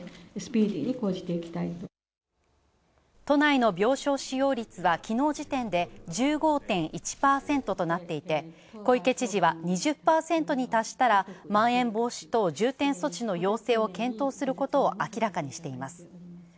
都内の病床使用率は、きのう時点で１５．１％となっていて小池知事は２０％に達したら、まん延防止等重点措置の要請を検討することを明らかにしています。